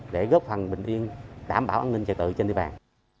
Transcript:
để góp phần bình yên đảm bảo an ninh trật tự trên địa bàn